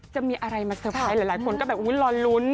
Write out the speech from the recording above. จะมีอะไรมาเตอร์ไพรส์หลายคนก็แบบอุ๊ยรอลุ้น